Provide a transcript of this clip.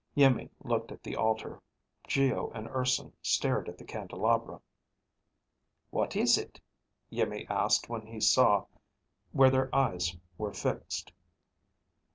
Iimmi looked at the altar. Geo and Urson stared at the candelabra. "What is it?" Iimmi asked when he saw where their eyes were fixed.